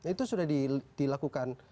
itu sudah dilakukan